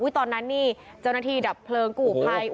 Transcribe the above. ตอนนั้นนี่เจ้านาทีดับเพลิงกรูปไฟ